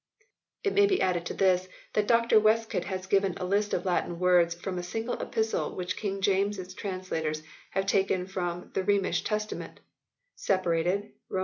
It may be added to this that Dr Westcott has given a list of Latin words from a single Epistle which King James s translators have taken from the Rhemish Testament ; separated (Rom.